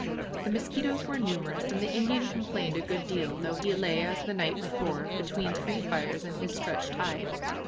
The mosquitoes were numerous, and the Indian complained a good deal, though he lay, as the night before, between three fires and his stretched hide.